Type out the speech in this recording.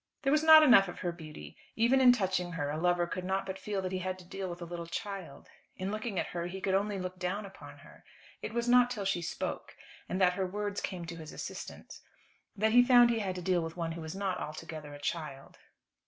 There was not enough of her beauty. Even in touching her a lover could not but feel that he had to deal with a little child. In looking at her he could only look down upon her. It was not till she spoke, and that her words came to his assistance, that he found that he had to deal with one who was not altogether a child.